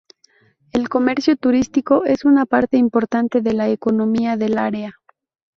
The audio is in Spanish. El comercio turístico es una parte importante de la economía del área.